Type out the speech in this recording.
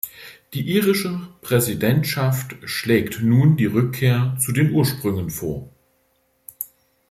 Die irische Präsidentschaft schlägt nun die Rückkehr zu den Ursprüngen vor.